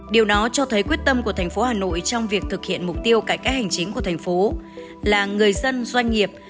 điều đó cho thấy quyết tâm của thành phố hà nội trong việc thực hiện mục tiêu cải cách hành chính của thành phố là người dân doanh nghiệp